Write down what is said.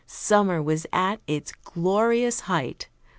Summer was at its glorious height.